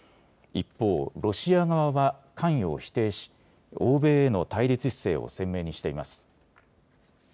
一方、ロシア側は関与を否定し欧米への対立姿勢を鮮明にしています。